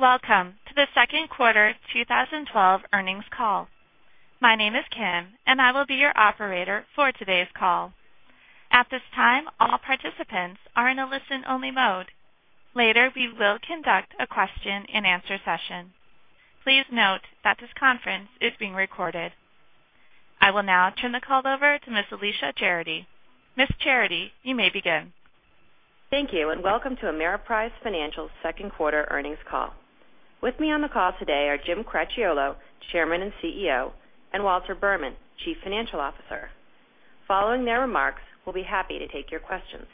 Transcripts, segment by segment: Welcome to the second quarter 2012 earnings call. My name is Kim, and I will be your operator for today's call. At this time, all participants are in a listen-only mode. Later, we will conduct a question-and-answer session. Please note that this conference is being recorded. I will now turn the call over to Ms. Alicia Charity. Ms. Charity, you may begin. Thank you. Welcome to Ameriprise Financial's second quarter earnings call. With me on the call today are Jim Cracchiolo, Chairman and CEO, and Walter Berman, Chief Financial Officer. Following their remarks, we will be happy to take your questions.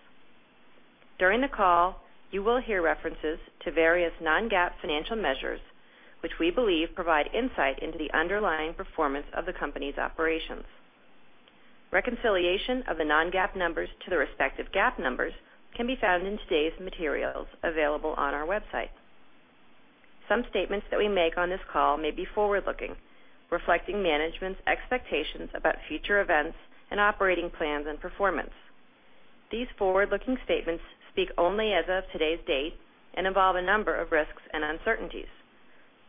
During the call, you will hear references to various non-GAAP financial measures, which we believe provide insight into the underlying performance of the company's operations. Reconciliation of the non-GAAP numbers to the respective GAAP numbers can be found in today's materials available on our website. Some statements that we make on this call may be forward-looking, reflecting management's expectations about future events and operating plans and performance. These forward-looking statements speak only as of today's date and involve a number of risks and uncertainties.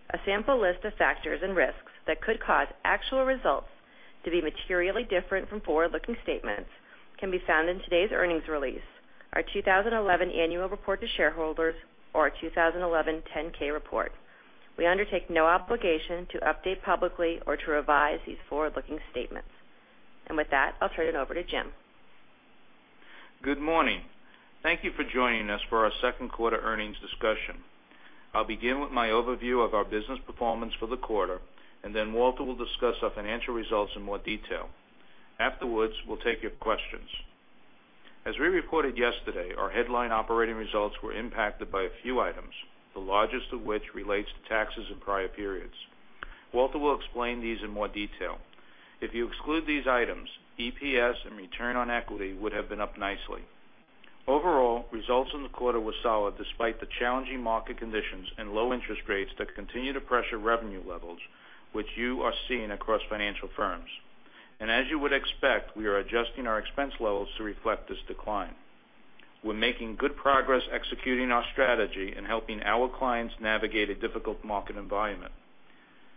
A sample list of factors and risks that could cause actual results to be materially different from forward-looking statements can be found in today's earnings release, our 2011 annual report to shareholders or our 2011 10-K report. We undertake no obligation to update publicly or to revise these forward-looking statements. With that, I will turn it over to Jim. Good morning. Thank you for joining us for our second quarter earnings discussion. I will begin with my overview of our business performance for the quarter, then Walter will discuss our financial results in more detail. Afterwards, we will take your questions. As we reported yesterday, our headline operating results were impacted by a few items, the largest of which relates to taxes in prior periods. Walter will explain these in more detail. If you exclude these items, EPS and return on equity would have been up nicely. Overall, results in the quarter were solid despite the challenging market conditions and low interest rates that continue to pressure revenue levels, which you are seeing across financial firms. As you would expect, we are adjusting our expense levels to reflect this decline. We are making good progress executing our strategy and helping our clients navigate a difficult market environment.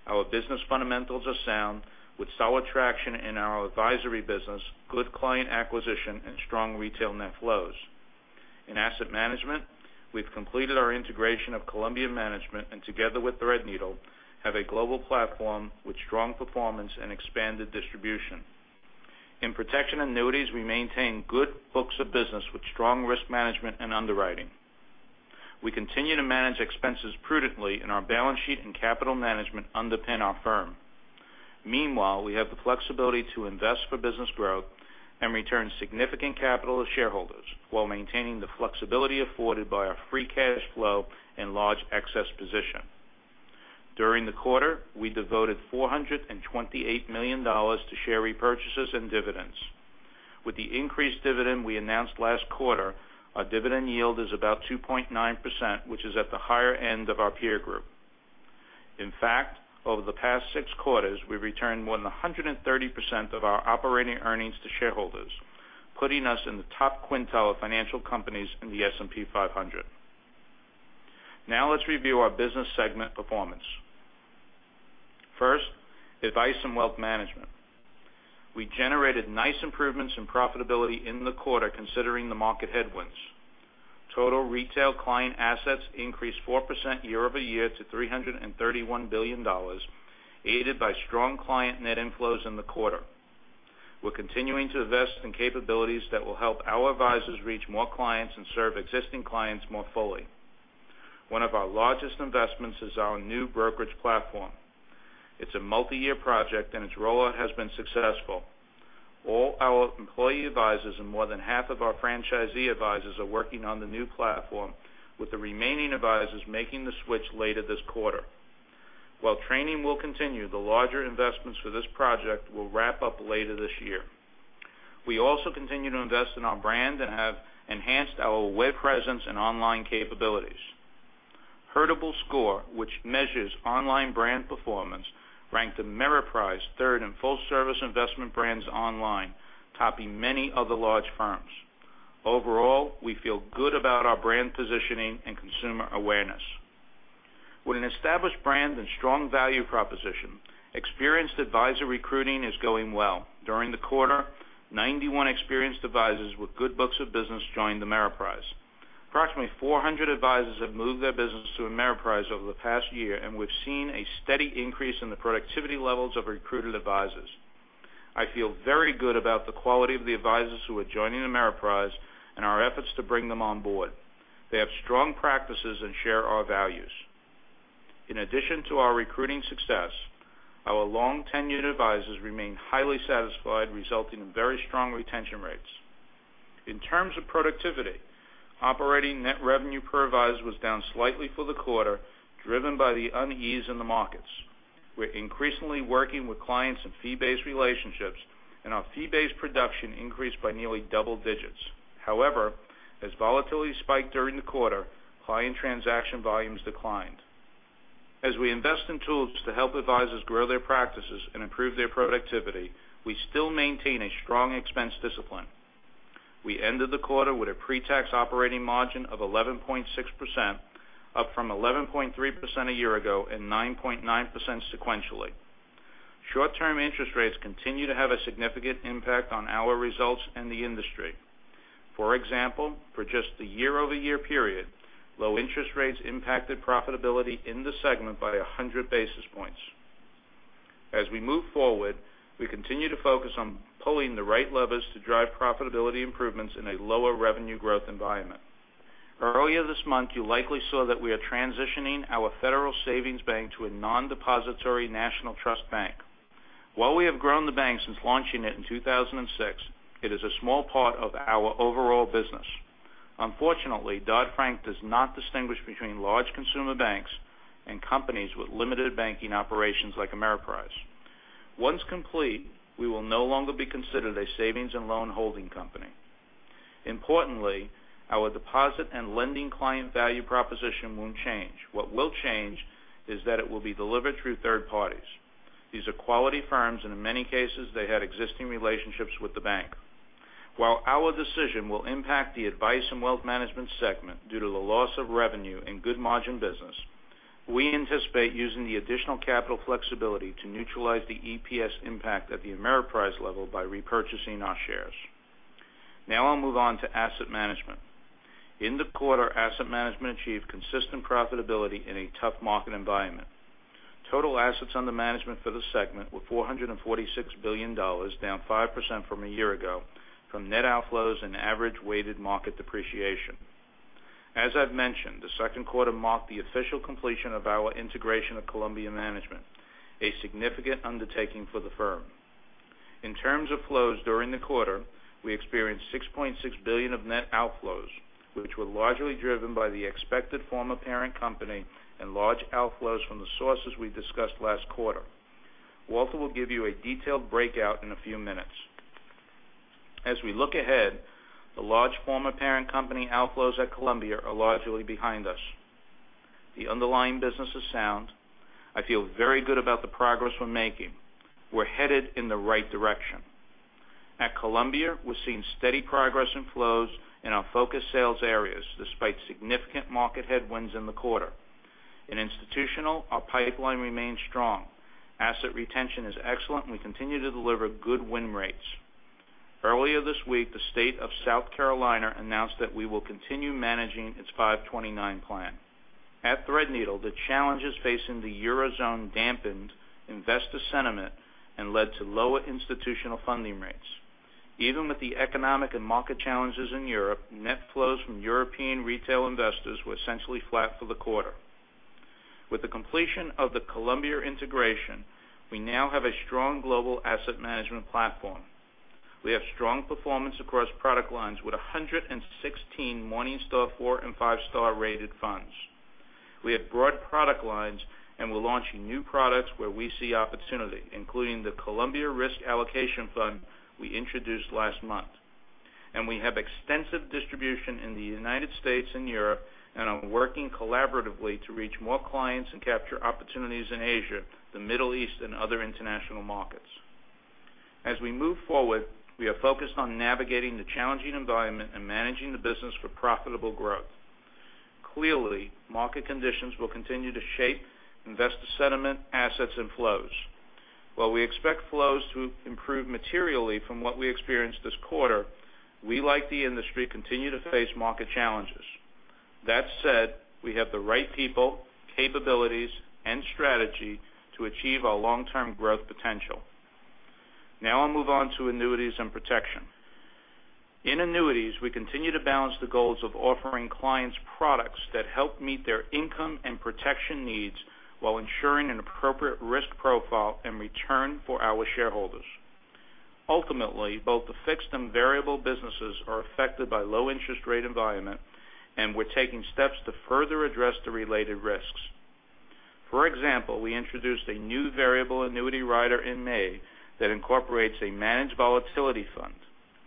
Our business fundamentals are sound with solid traction in our advisory business, good client acquisition, and strong retail net flows. In asset management, we've completed our integration of Columbia Management and together with Threadneedle, have a global platform with strong performance and expanded distribution. In protection annuities, we maintain good books of business with strong risk management and underwriting. We continue to manage expenses prudently and our balance sheet and capital management underpin our firm. Meanwhile, we have the flexibility to invest for business growth and return significant capital to shareholders while maintaining the flexibility afforded by our free cash flow and large excess position. During the quarter, we devoted $428 million to share repurchases and dividends. With the increased dividend we announced last quarter, our dividend yield is about 2.9%, which is at the higher end of our peer group. In fact, over the past six quarters, we've returned more than 130% of our operating earnings to shareholders, putting us in the top quintile of financial companies in the S&P 500. Let's review our business segment performance. First, Advice & Wealth Management. We generated nice improvements in profitability in the quarter considering the market headwinds. Total retail client assets increased 4% year-over-year to $331 billion, aided by strong client net inflows in the quarter. We're continuing to invest in capabilities that will help our advisors reach more clients and serve existing clients more fully. One of our largest investments is our new brokerage platform. It's a multi-year project and its rollout has been successful. All our employee advisors and more than half of our franchisee advisors are working on the new platform, with the remaining advisors making the switch later this quarter. While training will continue, the larger investments for this project will wrap up later this year. We also continue to invest in our brand and have enhanced our web presence and online capabilities. Heardable Score, which measures online brand performance, ranked Ameriprise third in full-service investment brands online, topping many other large firms. Overall, we feel good about our brand positioning and consumer awareness. With an established brand and strong value proposition, experienced advisor recruiting is going well. During the quarter, 91 experienced advisors with good books of business joined Ameriprise. Approximately 400 advisors have moved their business to Ameriprise over the past year, and we've seen a steady increase in the productivity levels of recruited advisors. I feel very good about the quality of the advisors who are joining Ameriprise and our efforts to bring them on board. They have strong practices and share our values. In addition to our recruiting success, our long-tenured advisors remain highly satisfied, resulting in very strong retention rates. In terms of productivity, operating net revenue per advisor was down slightly for the quarter, driven by the unease in the markets. Our fee-based production increased by nearly double digits. However, as volatility spiked during the quarter, client transaction volumes declined. As we invest in tools to help advisors grow their practices and improve their productivity, we still maintain a strong expense discipline. We ended the quarter with a pre-tax operating margin of 11.6%, up from 11.3% a year-ago and 9.9% sequentially. Short-term interest rates continue to have a significant impact on our results and the industry. For example, for just the year-over-year period, low interest rates impacted profitability in this segment by 100 basis points. As we move forward, we continue to focus on pulling the right levers to drive profitability improvements in a lower revenue growth environment. Earlier this month, you likely saw that we are transitioning our federal savings bank to a non-depository national trust bank. While we have grown the bank since launching it in 2006, it is a small part of our overall business. Unfortunately, Dodd-Frank does not distinguish between large consumer banks and companies with limited banking operations, like Ameriprise. Once complete, we will no longer be considered a savings and loan holding company. Importantly, our deposit and lending client value proposition won't change. What will change is that it will be delivered through third parties. These are quality firms, and in many cases, they had existing relationships with the bank. While our decision will impact the Advice & Wealth Management segment due to the loss of revenue and good margin business, we anticipate using the additional capital flexibility to neutralize the EPS impact at the Ameriprise level by repurchasing our shares. I'll move on to Asset Management. In the quarter, Asset Management achieved consistent profitability in a tough market environment. Total assets under management for the segment were $446 billion, down 5% from a year ago, from net outflows and average weighted market depreciation. As I've mentioned, the second quarter marked the official completion of our integration of Columbia Management, a significant undertaking for the firm. In terms of flows during the quarter, we experienced $6.6 billion of net outflows, which were largely driven by the expected former parent company and large outflows from the sources we discussed last quarter. Walter will give you a detailed breakout in a few minutes. As we look ahead, the large former parent company outflows at Columbia are largely behind us. The underlying business is sound. I feel very good about the progress we're making. We're headed in the right direction. At Columbia, we're seeing steady progress in flows in our focus sales areas, despite significant market headwinds in the quarter. In Institutional, our pipeline remains strong. Asset retention is excellent, and we continue to deliver good win rates. Earlier this week, the State of South Carolina announced that we will continue managing its 529 plan. At Threadneedle, the challenges facing the Eurozone dampened investor sentiment and led to lower institutional funding rates. Even with the economic and market challenges in Europe, net flows from European retail investors were essentially flat for the quarter. With the completion of the Columbia integration, we now have a strong global asset management platform. We have strong performance across product lines with 116 Morningstar four- and five-star rated funds. We have broad product lines and we're launching new products where we see opportunity, including the Columbia Risk Allocation Fund we introduced last month. We have extensive distribution in the U.S. and Europe and are working collaboratively to reach more clients and capture opportunities in Asia, the Middle East, and other international markets. As we move forward, we are focused on navigating the challenging environment and managing the business for profitable growth. Clearly, market conditions will continue to shape investor sentiment, assets, and flows. While we expect flows to improve materially from what we experienced this quarter, we, like the industry, continue to face market challenges. That said, we have the right people, capabilities, and strategy to achieve our long-term growth potential. Now I'll move on to Annuities and Protection. In annuities, we continue to balance the goals of offering clients products that help meet their income and protection needs while ensuring an appropriate risk profile and return for our shareholders. Ultimately, both the fixed and variable businesses are affected by low interest rate environment, and we're taking steps to further address the related risks. For example, we introduced a new variable annuity rider in May that incorporates a managed volatility fund.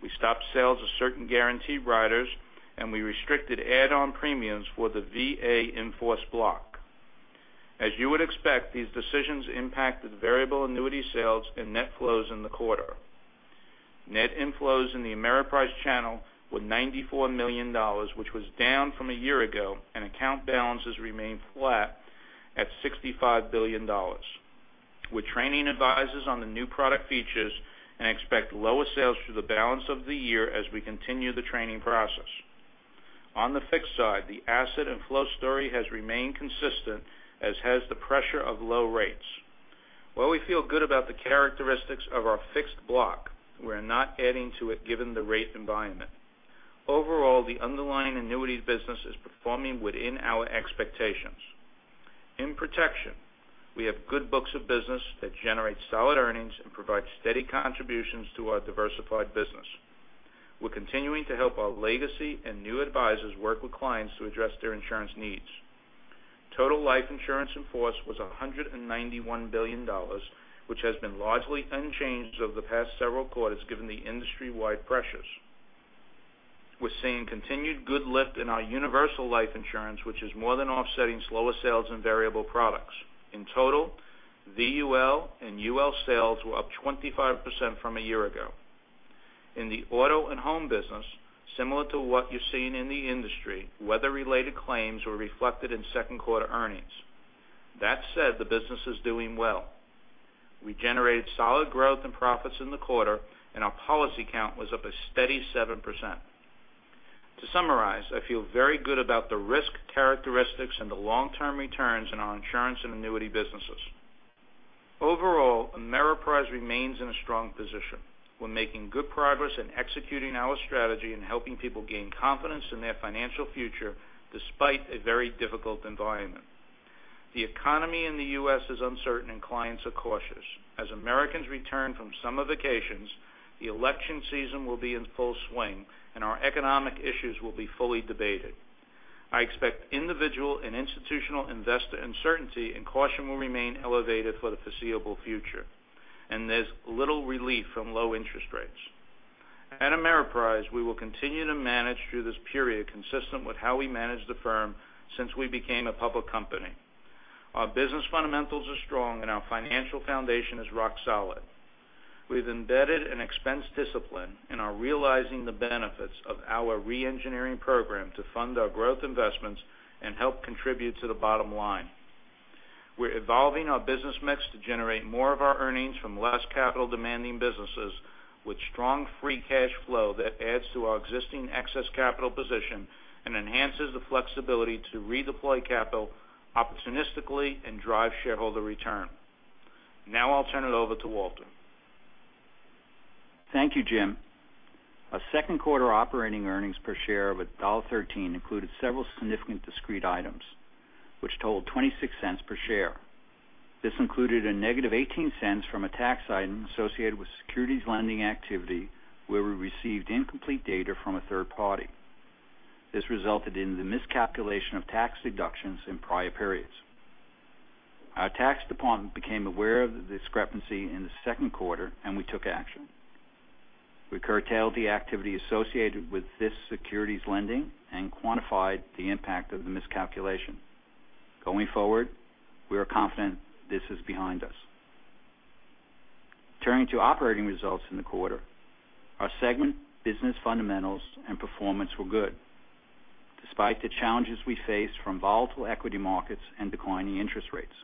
We stopped sales of certain guaranteed riders, and we restricted add-on premiums for the VA in-force block. As you would expect, these decisions impacted variable annuity sales and net flows in the quarter. Net inflows in the Ameriprise channel were $94 million, which was down from a year ago, and account balances remained flat at $65 billion. We're training advisors on the new product features and expect lower sales through the balance of the year as we continue the training process. On the fixed side, the asset and flow story has remained consistent, as has the pressure of low rates. While we feel good about the characteristics of our fixed block, we're not adding to it given the rate environment. Overall, the underlying annuities business is performing within our expectations. In protection, we have good books of business that generate solid earnings and provide steady contributions to our diversified business. We're continuing to help our legacy and new advisors work with clients to address their insurance needs. Total life insurance in force was $191 billion, which has been largely unchanged over the past several quarters given the industry-wide pressures. We're seeing continued good lift in our universal life insurance, which is more than offsetting slower sales in variable products. In total, VUL and UL sales were up 25% from a year ago. In the auto and home business, similar to what you're seeing in the industry, weather-related claims were reflected in second quarter earnings. That said, the business is doing well. We generated solid growth and profits in the quarter, and our policy count was up a steady 7%. To summarize, I feel very good about the risk characteristics and the long-term returns in our insurance and annuity businesses. Overall, Ameriprise remains in a strong position. We're making good progress in executing our strategy and helping people gain confidence in their financial future, despite a very difficult environment. The economy in the U.S. is uncertain and clients are cautious. As Americans return from summer vacations, the election season will be in full swing, and our economic issues will be fully debated. I expect individual and institutional investor uncertainty and caution will remain elevated for the foreseeable future, and there's little relief from low interest rates. At Ameriprise, we will continue to manage through this period consistent with how we managed the firm since we became a public company. Our business fundamentals are strong, and our financial foundation is rock solid. We've embedded an expense discipline and are realizing the benefits of our re-engineering program to fund our growth investments and help contribute to the bottom line. We're evolving our business mix to generate more of our earnings from less capital-demanding businesses with strong free cash flow that adds to our existing excess capital position and enhances the flexibility to redeploy capital opportunistically and drive shareholder return. I'll turn it over to Walter. Thank you, Jim. Our second quarter operating earnings per share of $1.13 included several significant discrete items, which totaled $0.26 per share. This included a negative $0.18 from a tax item associated with securities lending activity where we received incomplete data from a third party. This resulted in the miscalculation of tax deductions in prior periods. Our tax department became aware of the discrepancy in the second quarter, and we took action. We curtailed the activity associated with this securities lending and quantified the impact of the miscalculation. Going forward, we are confident this is behind us. Turning to operating results in the quarter, our segment business fundamentals and performance were good despite the challenges we face from volatile equity markets and declining interest rates,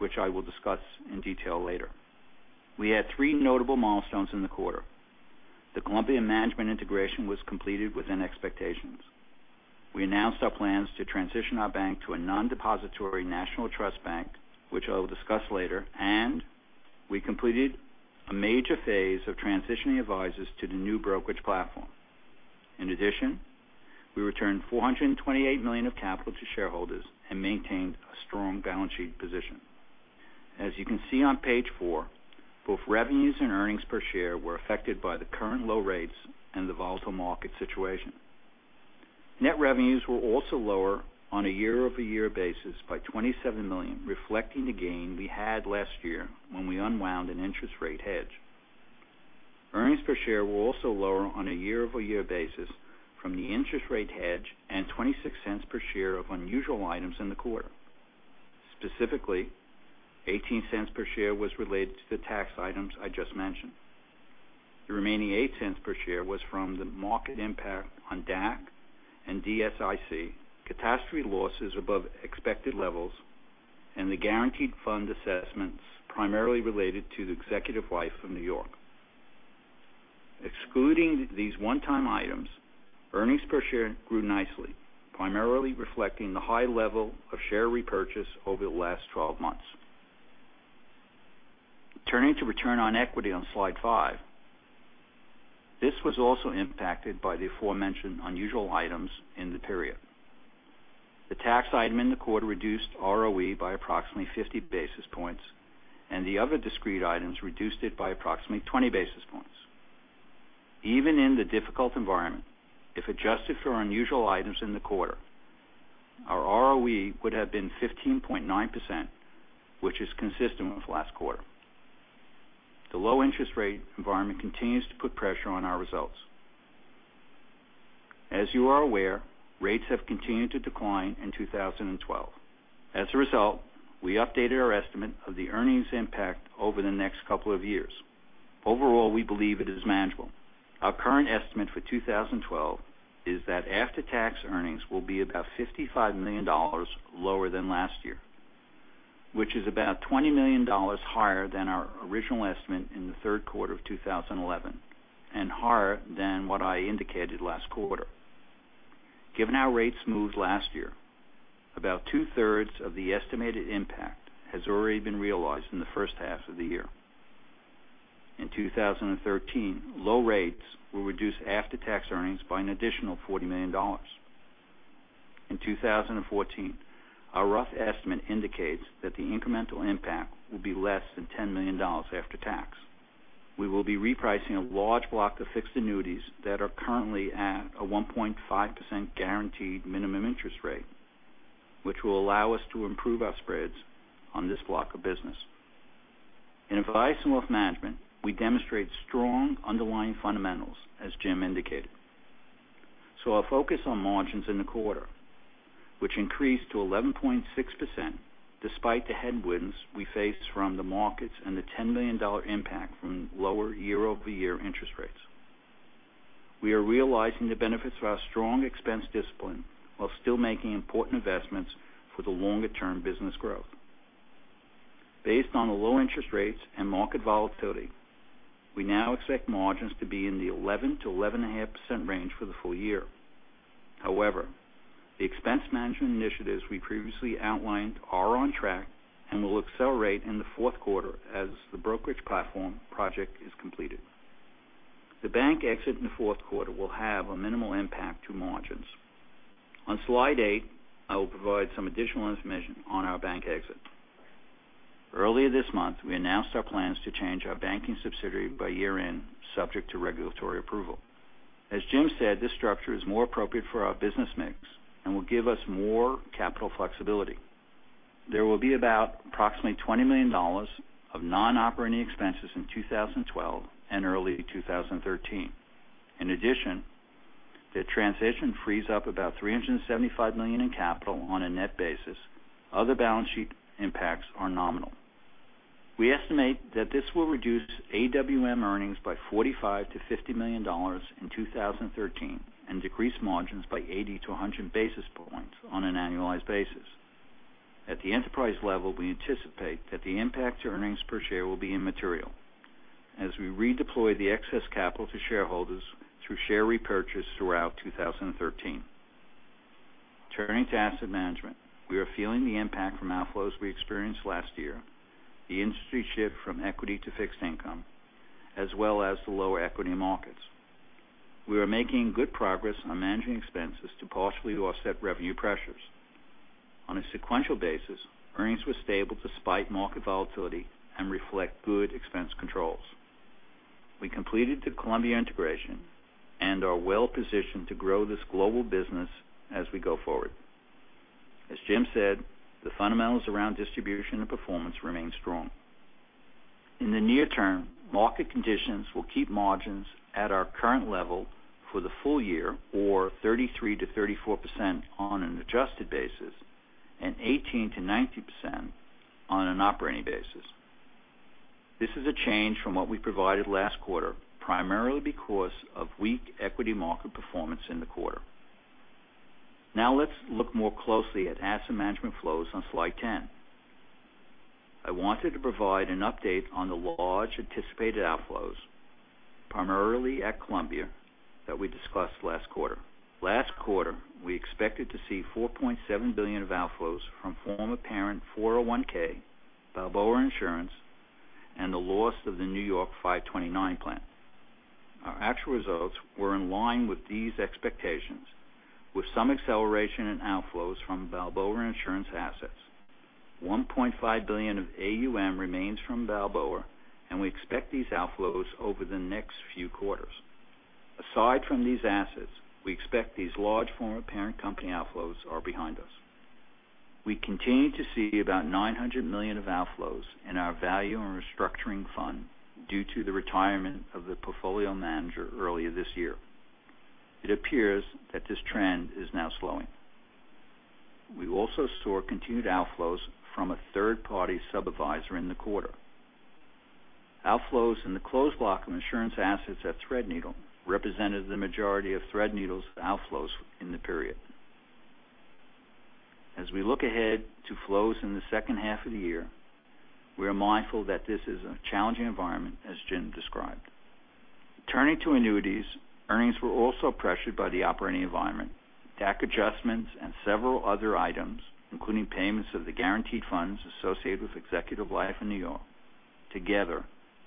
which I will discuss in detail later. We had three notable milestones in the quarter. The Columbia Management integration was completed within expectations. We announced our plans to transition our bank to a non-depository national trust bank, which I will discuss later, and we completed a major phase of transitioning advisors to the new brokerage platform. In addition, we returned $428 million of capital to shareholders and maintained a strong balance sheet position. As you can see on page four, both revenues and earnings per share were affected by the current low rates and the volatile market situation. Net revenues were also lower on a year-over-year basis by $27 million, reflecting the gain we had last year when we unwound an interest rate hedge. Earnings per share were also lower on a year-over-year basis from the interest rate hedge and $0.26 per share of unusual items in the quarter. Specifically, $0.18 per share was related to the tax items I just mentioned. The remaining $0.08 per share was from the market impact on DAC and DSIC, catastrophe losses above expected levels, and the guaranteed fund assessments primarily related to Executive Life from New York. Excluding these one-time items, earnings per share grew nicely, primarily reflecting the high level of share repurchase over the last 12 months. Turning to return on equity on slide five. This was also impacted by the aforementioned unusual items in the period. The tax item in the quarter reduced ROE by approximately 50 basis points, and the other discrete items reduced it by approximately 20 basis points. Even in the difficult environment, if adjusted for unusual items in the quarter, our ROE would have been 15.9%, which is consistent with last quarter. The low interest rate environment continues to put pressure on our results. As you are aware, rates have continued to decline in 2012. As a result, we updated our estimate of the earnings impact over the next couple of years. Overall, we believe it is manageable. Our current estimate for 2012 is that after-tax earnings will be about $55 million lower than last year, which is about $20 million higher than our original estimate in the third quarter of 2011 and higher than what I indicated last quarter. Given how rates moved last year, about two-thirds of the estimated impact has already been realized in the first half of the year. In 2013, low rates will reduce after-tax earnings by an additional $40 million. In 2014, our rough estimate indicates that the incremental impact will be less than $10 million after tax. We will be repricing a large block of fixed annuities that are currently at a 1.5% guaranteed minimum interest rate, which will allow us to improve our spreads on this block of business. In Advice & Wealth Management, we demonstrate strong underlying fundamentals, as Jim indicated. I'll focus on margins in the quarter, which increased to 11.6%, despite the headwinds we face from the markets and the $10 million impact from lower year-over-year interest rates. We are realizing the benefits of our strong expense discipline while still making important investments for the longer-term business growth. Based on the low interest rates and market volatility, we now expect margins to be in the 11%-11.5% range for the full year. However, the expense management initiatives we previously outlined are on track and will accelerate in the fourth quarter as the brokerage platform project is completed. The bank exit in the fourth quarter will have a minimal impact to margins. On slide eight, I will provide some additional information on our bank exit. Earlier this month, we announced our plans to change our banking subsidiary by year-end, subject to regulatory approval. As Jim said, this structure is more appropriate for our business mix and will give us more capital flexibility. There will be about approximately $20 million of non-operating expenses in 2012 and early 2013. In addition, the transition frees up about $375 million in capital on a net basis. Other balance sheet impacts are nominal. We estimate that this will reduce AWM earnings by $45 million-$50 million in 2013 and decrease margins by 80-100 basis points on an annualized basis. At the enterprise level, we anticipate that the impact to earnings per share will be immaterial as we redeploy the excess capital to shareholders through share repurchase throughout 2013. Turning to asset management, we are feeling the impact from outflows we experienced last year, the industry shift from equity to fixed income, as well as the lower equity markets. We are making good progress on managing expenses to partially offset revenue pressures. On a sequential basis, earnings were stable despite market volatility and reflect good expense controls. We completed the Columbia integration and are well positioned to grow this global business as we go forward. As Jim said, the fundamentals around distribution and performance remain strong. In the near term, market conditions will keep margins at our current level for the full year, or 33%-34% on an adjusted basis and 18%-19% on an operating basis. This is a change from what we provided last quarter, primarily because of weak equity market performance in the quarter. Let's look more closely at asset management flows on slide 10. I wanted to provide an update on the large anticipated outflows, primarily at Columbia, that we discussed last quarter. Last quarter, we expected to see $4.7 billion of outflows from former parent 401(k), Balboa Insurance, and the loss of the New York 529 plan. Our actual results were in line with these expectations, with some acceleration in outflows from Balboa Insurance assets. $1.5 billion of AUM remains from Balboa, and we expect these outflows over the next few quarters. Aside from these assets, we expect these large former parent company outflows are behind us. We continue to see about $900 million of outflows in our value and restructuring fund due to the retirement of the portfolio manager earlier this year. It appears that this trend is now slowing. We also saw continued outflows from a third-party sub-adviser in the quarter. Outflows in the closed block of insurance assets at Threadneedle represented the majority of Threadneedle's outflows in the period. As we look ahead to flows in the second half of the year, we are mindful that this is a challenging environment, as Jim described. Turning to annuities, earnings were also pressured by the operating environment, DAC adjustments, and several other items, including payments of the guaranteed funds associated with Executive Life in New York. Together,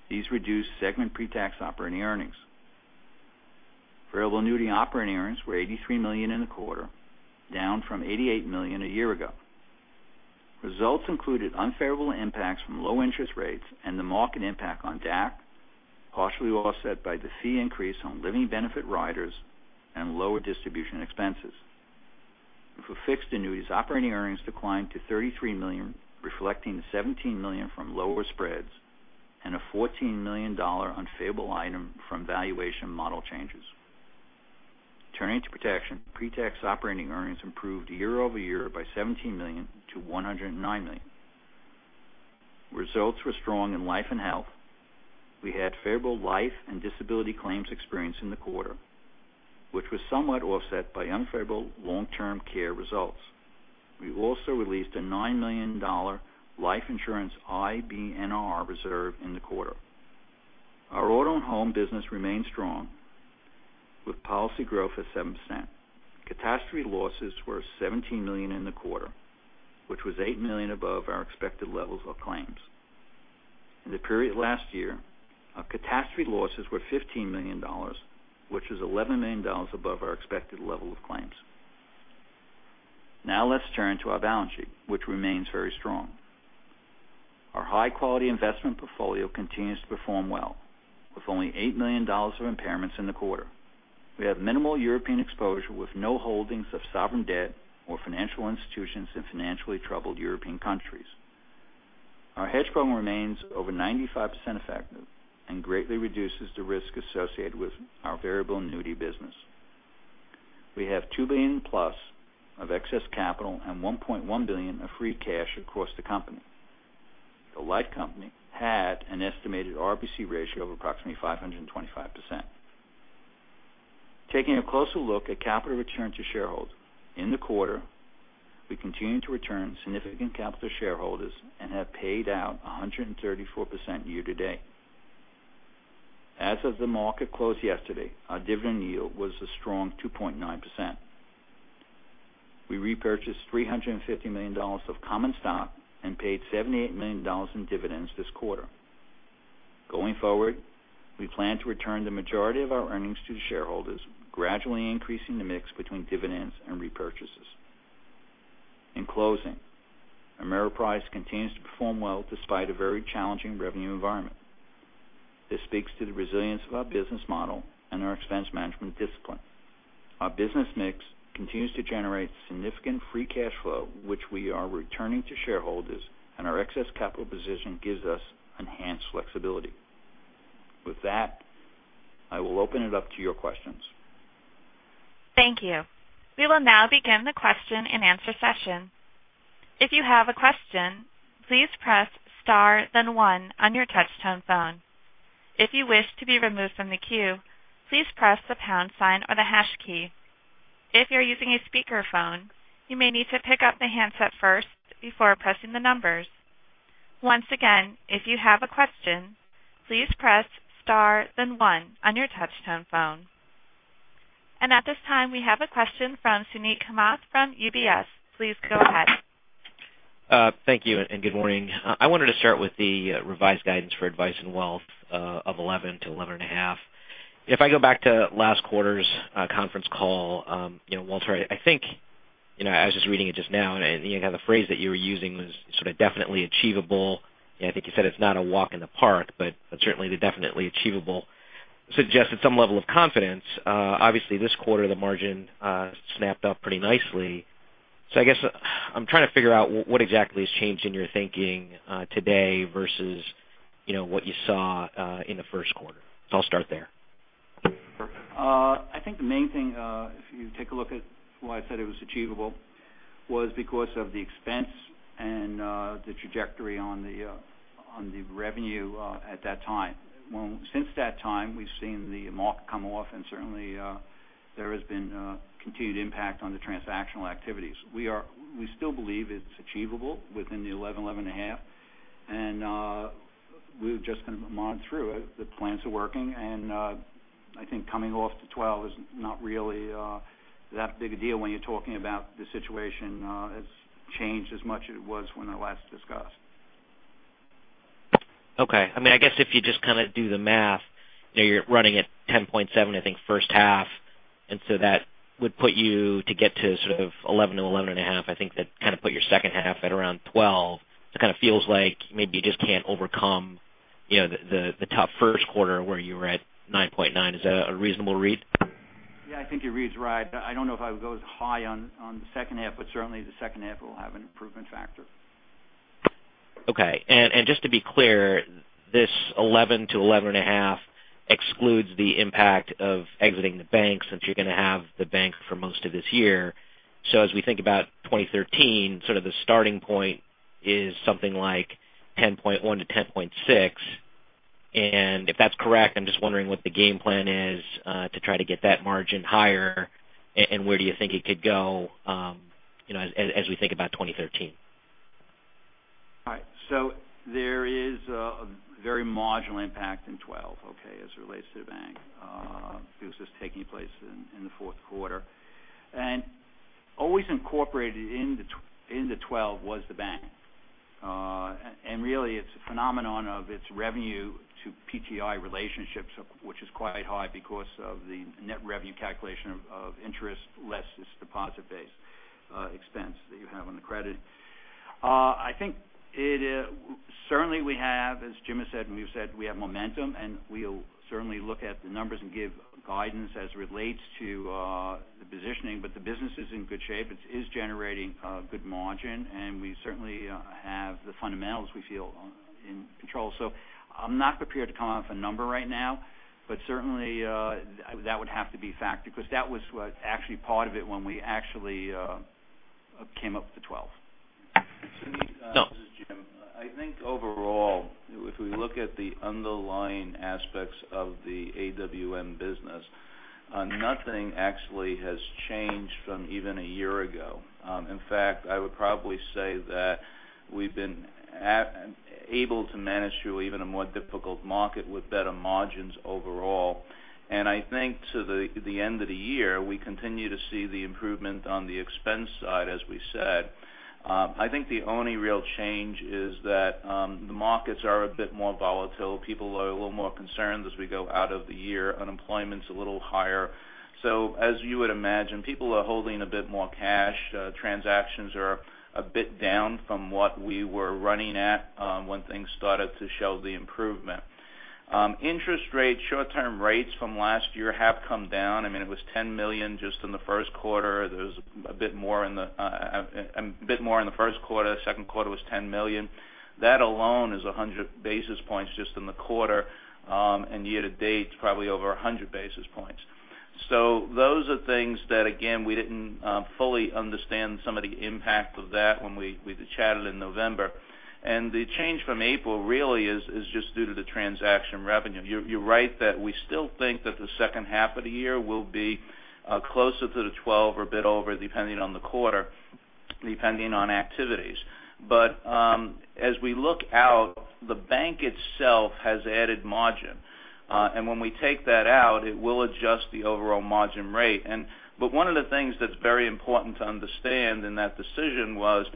these reduced segment pretax operating earnings. Variable annuity operating earnings were $83 million in the quarter, down from $88 million a year ago. Results included unfavorable impacts from low interest rates and the market impact on DAC, partially offset by the fee increase on living benefit riders and lower distribution expenses. For fixed annuities, operating earnings declined to $33 million, reflecting the $17 million from lower spreads and a $14 million unfavorable item from valuation model changes. Turning to protection, pretax operating earnings improved year-over-year by $17 million to $109 million. Results were strong in life and health. We had favorable life and disability claims experience in the quarter, which was somewhat offset by unfavorable long-term care results. We also released a $9 million life insurance IBNR reserve in the quarter. Our auto and home business remains strong with policy growth of 7%. Catastrophe losses were $17 million in the quarter, which was $8 million above our expected levels of claims. In the period last year, our catastrophe losses were $15 million, which is $11 million above our expected level of claims. Let's turn to our balance sheet, which remains very strong. Our high-quality investment portfolio continues to perform well, with only $8 million of impairments in the quarter. We have minimal European exposure with no holdings of sovereign debt or financial institutions in financially troubled European countries. Our hedge program remains over 95% effective and greatly reduces the risk associated with our variable annuity business. We have $2 billion plus of excess capital and $1.1 billion of free cash across the company. The life company had an estimated RBC ratio of approximately 525%. Taking a closer look at capital return to shareholders. In the quarter, we continued to return significant capital to shareholders and have paid out 134% year-to-date. As of the market close yesterday, our dividend yield was a strong 2.9%. We repurchased $350 million of common stock and paid $78 million in dividends this quarter. Going forward, we plan to return the majority of our earnings to the shareholders, gradually increasing the mix between dividends and repurchases. In closing, Ameriprise continues to perform well despite a very challenging revenue environment. This speaks to the resilience of our business model and our expense management discipline. Our business mix continues to generate significant free cash flow, which we are returning to shareholders, and our excess capital position gives us enhanced flexibility. With that, I will open it up to your questions. Thank you. We will now begin the question and answer session. If you have a question, please press star then one on your touch-tone phone. If you wish to be removed from the queue, please press the pound sign or the hash key. If you're using a speakerphone, you may need to pick up the handset first before pressing the numbers. Once again, if you have a question, please press star then one on your touch-tone phone. At this time, we have a question from Suneet Kamath from UBS. Please go ahead. Thank you, and good morning. I wanted to start with the revised guidance for Advice & Wealth of 11%-11.5%. If I go back to last quarter's conference call, Walter, I was just reading it just now, the phrase that you were using was sort of definitely achievable. I think you said it's not a walk in the park, but certainly the definitely achievable suggested some level of confidence. Obviously, this quarter, the margin snapped up pretty nicely. I guess I'm trying to figure out what exactly has changed in your thinking today versus what you saw in the first quarter. I'll start there. I think the main thing, if you take a look at why I said it was achievable, was because of the expense and the trajectory on the revenue at that time. Since that time, we've seen the market come off, certainly there has been a continued impact on the transactional activities. We still believe it's achievable within the 11%-11.5%, we've just kind of muddled through it. The plans are working, I think coming off to 12 is not really that big a deal when you're talking about the situation has changed as much as it was when I last discussed. Okay. I guess if you just kind of do the math, you're running at 10.7, I think, first half, that would put you to get to sort of 11-11.5. I think that kind of put your second half at around 12. It kind of feels like maybe you just can't overcome the tough first quarter where you were at 9.9. Is that a reasonable read? Yeah, I think your read's right. I don't know if I would go as high on the second half, but certainly the second half will have an improvement factor. Okay. Just to be clear, this 11-11.5 excludes the impact of exiting the bank since you're going to have the bank for most of this year. As we think about 2013, sort of the starting point is something like 10.1-10.6. If that's correct, I'm just wondering what the game plan is to try to get that margin higher and where do you think it could go as we think about 2013. All right. There is a very marginal impact in 12 as it relates to the bank because it's taking place in the fourth quarter. Always incorporated into 12 was the bank. Really it's a phenomenon of its revenue to PTI relationships, which is quite high because of the net revenue calculation of interest less this deposit base expense that you have on the credit. I think certainly we have, as Jim has said and you've said, we have momentum and we'll certainly look at the numbers and give guidance as it relates to the positioning. The business is in good shape. It is generating good margin, and we certainly have the fundamentals we feel in control. I'm not prepared to come off a number right now, but certainly that would have to be a factor because that was what actually part of it when we actually came up with the 12. No. This is Jim. I think overall, if we look at the underlying aspects of the AWM business, nothing actually has changed from even a year ago. In fact, I would probably say that we've been able to manage through even a more difficult market with better margins overall. I think to the end of the year, we continue to see the improvement on the expense side, as we said. I think the only real change is that the markets are a bit more volatile. People are a little more concerned as we go out of the year. Unemployment's a little higher. As you would imagine, people are holding a bit more cash. Transactions are a bit down from what we were running at when things started to show the improvement. Interest rates, short-term rates from last year have come down. It was $10 million just in the first quarter. There was a bit more in the first quarter. Second quarter was $10 million. That alone is 100 basis points just in the quarter, and year to date, probably over 100 basis points. Those are things that, again, we didn't fully understand some of the impact of that when we chatted in November. The change from April really is just due to the transaction revenue. You're right that we still think that the second half of the year will be closer to the 12 or a bit over, depending on the quarter, depending on activities. As we look out, the bank itself has added margin. When we take that out, it will adjust the overall margin rate. One of the things that's very important to understand in that decision was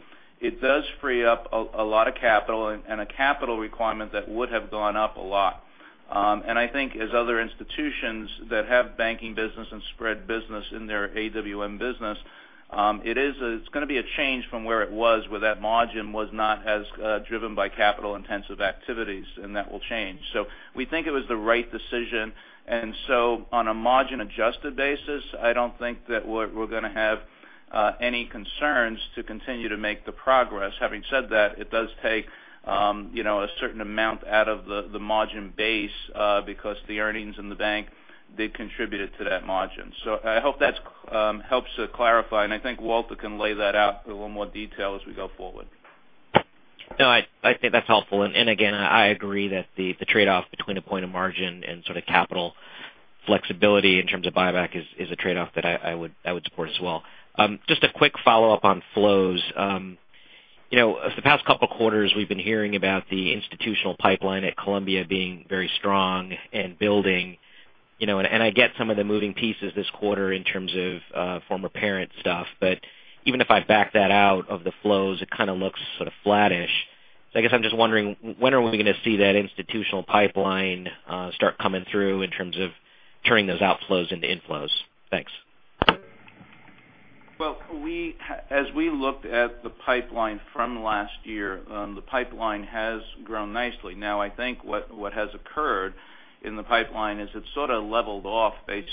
it does free up a lot of capital and a capital requirement that would have gone up a lot. I think as other institutions that have banking business and spread business in their AWM business, it's going to be a change from where it was, where that margin was not as driven by capital-intensive activities, and that will change. We think it was the right decision. On a margin-adjusted basis, I don't think that we're going to have any concerns to continue to make the progress. Having said that, it does take a certain amount out of the margin base because the earnings in the bank, they contributed to that margin. I hope that helps clarify, and I think Walter can lay that out in a little more detail as we go forward. No, I think that's helpful. Again, I agree that the trade-off between a point of margin and capital flexibility in terms of buyback is a trade-off that I would support as well. Just a quick follow-up on flows. For the past couple of quarters, we've been hearing about the institutional pipeline at Columbia being very strong and building. I get some of the moving pieces this quarter in terms of former parent stuff. Even if I back that out of the flows, it kind of looks sort of flattish. I guess I'm just wondering, when are we going to see that institutional pipeline start coming through in terms of turning those outflows into inflows? Thanks. Well, as we looked at the pipeline from last year, the pipeline has grown nicely. Now, I think what has occurred in the pipeline is it sort of leveled off based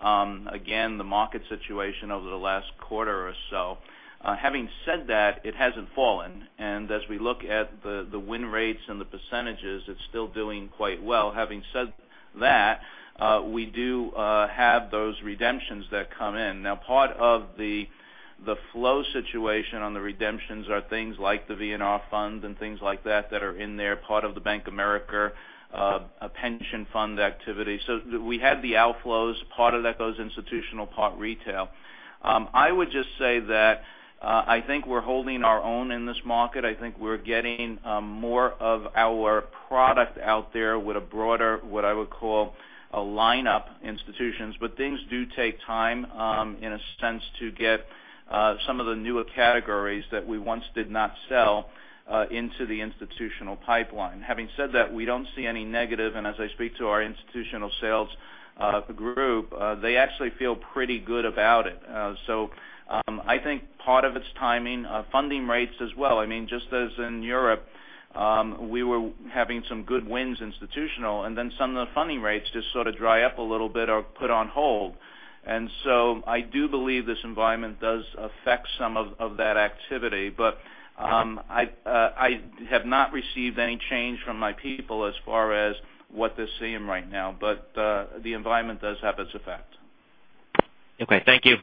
on, again, the market situation over the last quarter or so. Having said that, it hasn't fallen, and as we look at the win rates and the percentages, it's still doing quite well. Having said that, we do have those redemptions that come in. Now, part of the flow situation on the redemptions are things like the VNR fund and things like that that are in there, part of the Bank of America pension fund activity. We had the outflows. Part of that goes institutional, part retail. I would just say that I think we're holding our own in this market. I think we're getting more of our product out there with a broader, what I would call, a lineup institutions. Things do take time, in a sense, to get some of the newer categories that we once did not sell into the institutional pipeline. Having said that, we don't see any negative, as I speak to our institutional sales group, they actually feel pretty good about it. I think part of it is timing. Funding rates as well. Just as in Europe, we were having some good wins institutional, then some of the funding rates just sort of dry up a little bit or put on hold. I do believe this environment does affect some of that activity, I have not received any change from my people as far as what they're seeing right now. The environment does have its effect. Okay. Thank you.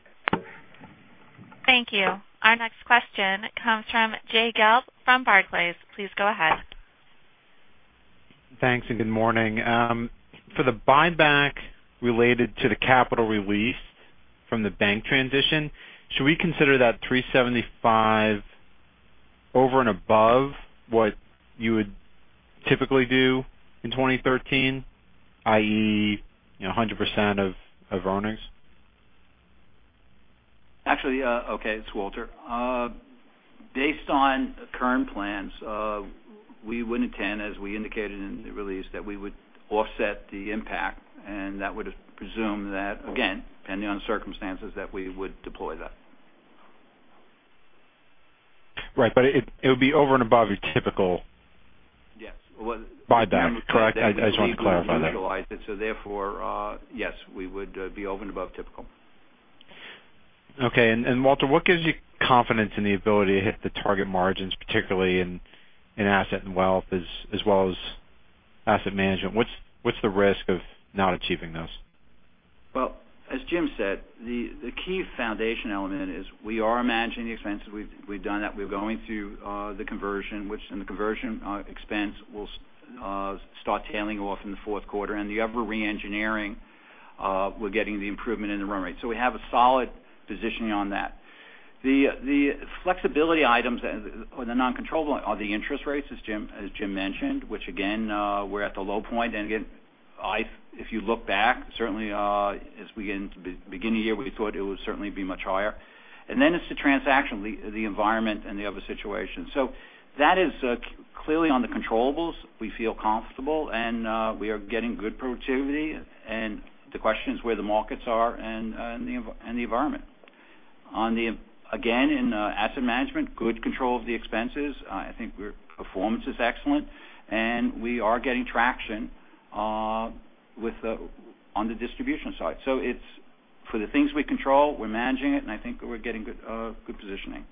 Thank you. Our next question comes from Jay Gelb from Barclays. Please go ahead. Thanks and good morning. For the buyback related to the capital release from the bank transition, should we consider that $375 over and above what you would typically do in 2013, i.e., 100% of earnings? Actually, okay. It's Walter. Based on current plans, we would intend, as we indicated in the release, that we would offset the impact, and that would presume that, again, depending on circumstances, that we would deploy that. Right. It would be over and above your typical. Yes. Buyback, correct? I just wanted to clarify that. We utilize it, therefore, yes, we would be over and above typical. Okay. Walter, what gives you confidence in the ability to hit the target margins, particularly in asset and wealth as well as asset management? What's the risk of not achieving those? Well, as Jim Cracchiolo said, the key foundation element is we are managing the expenses. We've done that. We're going through the conversion, which in the conversion expense will start tailing off in the fourth quarter. The other re-engineering, we're getting the improvement in the run rate. We have a solid positioning on that. The flexibility items or the non-controllable are the interest rates, as Jim Cracchiolo mentioned, which again we're at the low point. Again, if you look back, certainly as we get into beginning of the year, we thought it would certainly be much higher. Then it's the transaction, the environment, and the other situation. That is clearly on the controllables. We feel comfortable, and we are getting good productivity, and the question is where the markets are and the environment. Again, in asset management, good control of the expenses. I think our performance is excellent, and we are getting traction on the distribution side. For the things we control, we're managing it, and I think we're getting good positioning.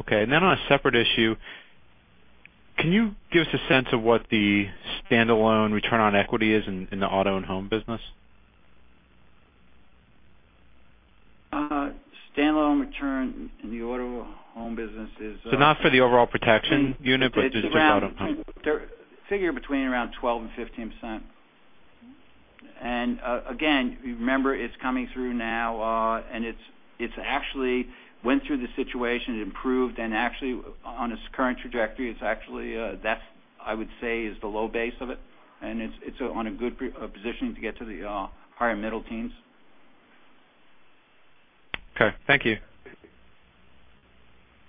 Okay. On a separate issue, can you give us a sense of what the standalone return on equity is in the auto and home business? Standalone return in the auto home business is Not for the overall protection unit, but just auto and home figure between around 12% and 15%. Again, remember it's coming through now, and it actually went through the situation, it improved, and actually on its current trajectory, that, I would say, is the low base of it, and it's on a good position to get to the higher middle teens. Okay. Thank you.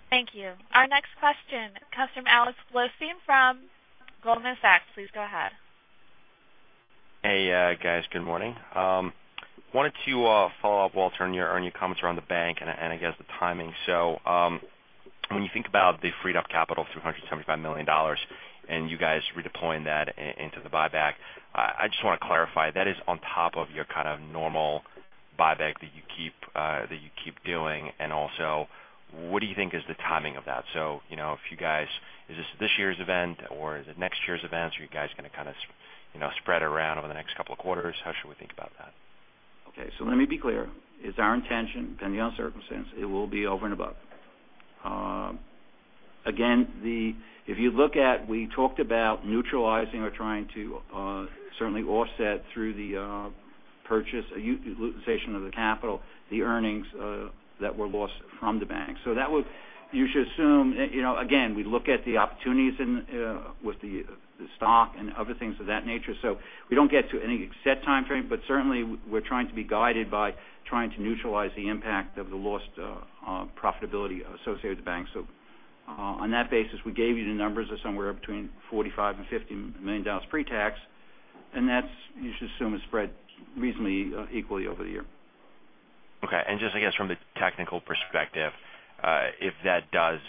Thank you. Our next question comes from Alex Blostein from Goldman Sachs. Please go ahead. Hey, guys. Good morning. Wanted to follow up, Walter, on your comments around the bank and I guess the timing. When you think about the freed up capital of $375 million, and you guys redeploying that into the buyback, I just want to clarify, that is on top of your kind of normal buyback that you keep doing, and also, what do you think is the timing of that? Is this this year's event or is it next year's event? Are you guys going to kind of spread it around over the next couple of quarters? How should we think about that? Okay. Let me be clear. It's our intention, depending on circumstance, it will be over and above. Again, if you look at, we talked about neutralizing or trying to certainly offset through the purchase utilization of the capital, the earnings that were lost from the bank. You should assume, again, we look at the opportunities with the stock and other things of that nature, so we don't get to any set timeframe, but certainly we're trying to be guided by trying to neutralize the impact of the lost profitability associated with the bank. On that basis, we gave you the numbers of somewhere between $45 million and $50 million pre-tax, and that you should assume is spread reasonably equally over the year. Okay. Just I guess from the technical perspective, if that does,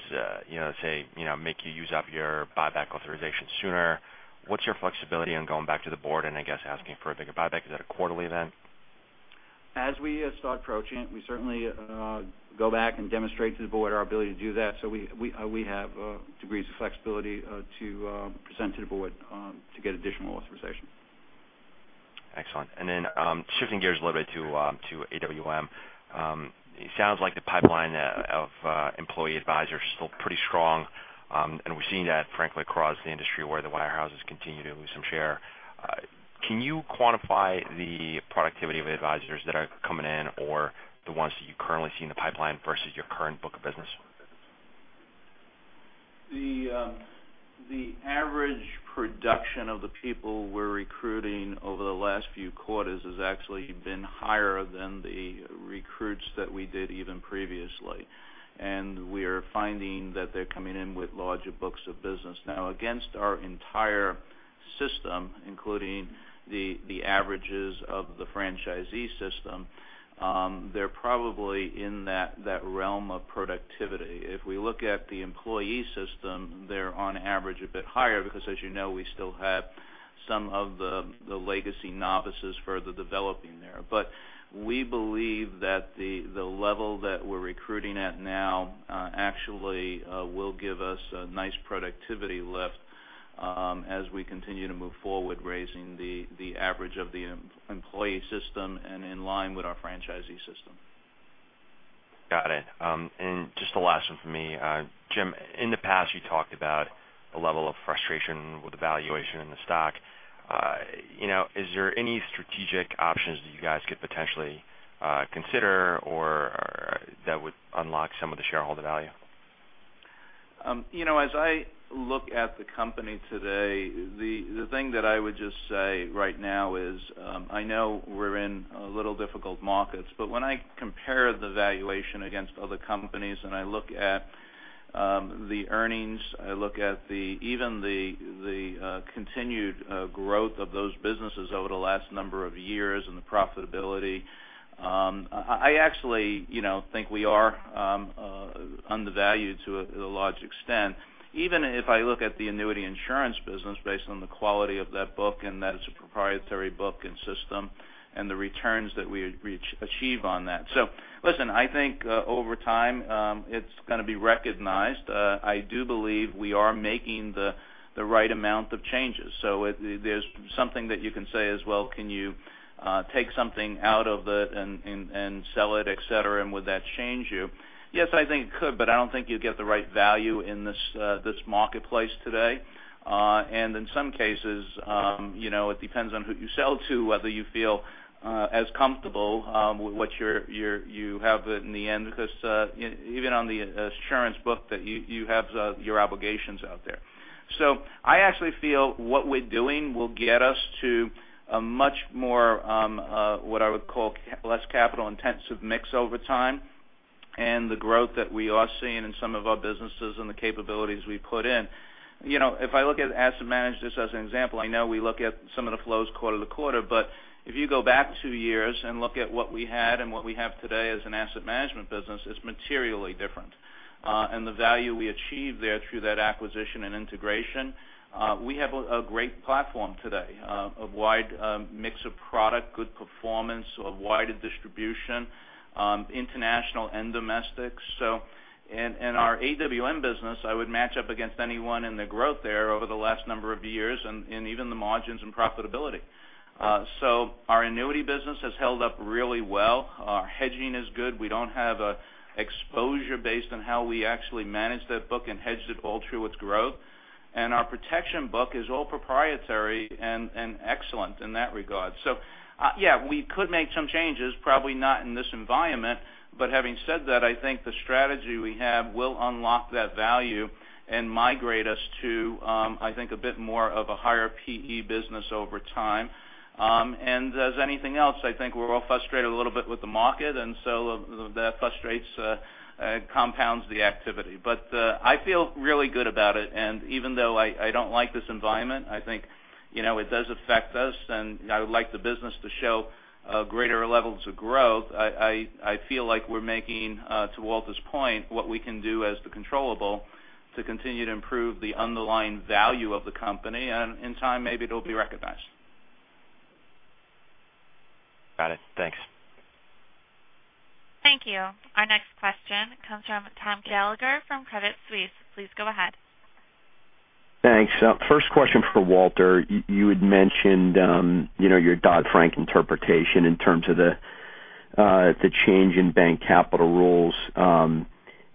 say, make you use up your buyback authorization sooner, what's your flexibility on going back to the Board and I guess asking for a bigger buyback? Is that a quarterly event? As we start approaching it, we certainly go back and demonstrate to the Board our ability to do that. We have degrees of flexibility to present to the Board to get additional authorization. Excellent. Shifting gears a little bit to AWM. It sounds like the pipeline of employee advisors is still pretty strong, and we're seeing that frankly across the industry where the wirehouses continue to lose some share. Can you quantify the productivity of the advisors that are coming in or the ones that you currently see in the pipeline versus your current book of business? The average production of the people we're recruiting over the last few quarters has actually been higher than the recruits that we did even previously. We are finding that they're coming in with larger books of business. Against our entire system, including the averages of the franchisee system, they're probably in that realm of productivity. If we look at the employee system, they're on average a bit higher because as you know, we still have some of the legacy novices further developing there. We believe that the level that we're recruiting at now actually will give us a nice productivity lift as we continue to move forward, raising the average of the employee system and in line with our franchisee system. Got it. Just the last one from me. Jim, in the past you talked about the level of frustration with the valuation in the stock. Is there any strategic options that you guys could potentially consider or that would unlock some of the shareholder value? As I look at the company today, the thing that I would just say right now is, I know we're in a little difficult markets, when I compare the valuation against other companies and I look at the earnings, I look at even the continued growth of those businesses over the last number of years and the profitability, I actually think we are undervalued to a large extent. Even if I look at the annuity insurance business based on the quality of that book and that it's a proprietary book and system and the returns that we achieve on that. Listen, I think over time it's going to be recognized. I do believe we are making the right amount of changes. There's something that you can say is, well, can you take something out of it and sell it, et cetera, and would that change you? Yes, I think it could, but I don't think you'd get the right value in this marketplace today. In some cases, it depends on who you sell to, whether you feel as comfortable with what you have in the end, because even on the insurance book that you have your obligations out there. I actually feel what we're doing will get us to a much more, what I would call less capital intensive mix over time. The growth that we are seeing in some of our businesses and the capabilities we put in. If I look at asset management just as an example, I know we look at some of the flows quarter to quarter, but if you go back 2 years and look at what we had and what we have today as an asset management business, it's materially different. The value we achieved there through that acquisition and integration, we have a great platform today, a wide mix of product, good performance, a wider distribution, international and domestic. In our AWM business, I would match up against anyone in the growth there over the last number of years and even the margins and profitability. Our annuity business has held up really well. Our hedging is good. We don't have exposure based on how we actually manage that book and hedged it all through its growth. Our protection book is all proprietary and excellent in that regard. Yeah, we could make some changes, probably not in this environment. Having said that, I think the strategy we have will unlock that value and migrate us to, I think, a bit more of a higher P/E business over time. As anything else, I think we're all frustrated a little bit with the market, that frustrates and compounds the activity. I feel really good about it. Even though I don't like this environment, I think it does affect us, and I would like the business to show greater levels of growth. I feel like we're making, to Walter's point, what we can do as the controllable to continue to improve the underlying value of the company. In time, maybe it'll be recognized. Got it. Thanks. Thank you. Our next question comes from Tom Gallagher from Credit Suisse. Please go ahead. Thanks. First question for Walter. You had mentioned your Dodd-Frank interpretation in terms of the change in bank capital rules.